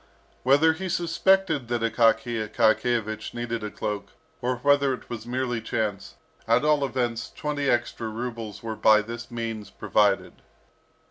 Whether he suspected that Akaky Akakiyevich needed a cloak, or whether it was merely chance, at all events, twenty extra rubles were by this means provided.